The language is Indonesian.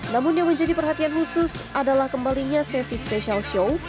namun yang menjadi perhatian khusus adalah kembalinya sesi special show